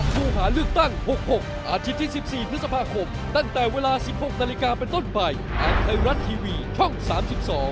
ชัดไหม